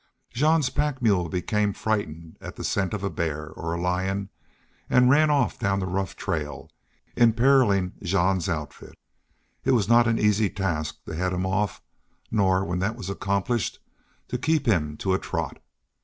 Jean's pack mule became frightened at scent of a bear or lion and ran off down the rough trail, imperiling Jean's outfit. It was not an easy task to head him off nor, when that was accomplished, to keep him to a trot.